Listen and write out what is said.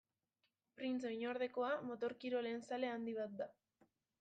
Printze oinordekoa motor-kirolen zale handi bat da.